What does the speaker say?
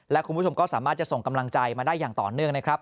และคุณผู้ชมก็สามารถจะส่งกำลังใจมาได้อย่างต่อเนื่องนะครับ